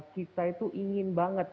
kita itu ingin banget